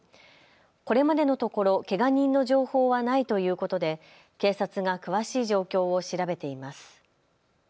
これまでのところ、けが人の情報はないということで警察が詳しい状況を調べています。